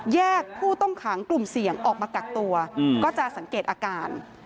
ผู้ต้องขังกลุ่มเสี่ยงออกมากักตัวก็จะสังเกตอาการ